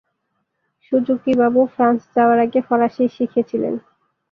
Suzuki বাবু France যাওয়ার আগে ফরাসি শিখেছিলেন।